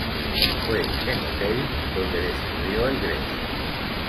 Fue en Auteuil donde descubrió el gres.